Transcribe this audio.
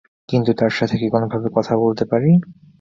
কিন্তু তার সাথে কি কোনোভাবে কথা বলতে পারি?